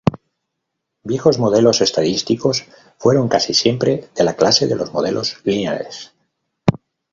Viejos modelos estadísticos fueron casi siempre de la clase de los modelos lineales.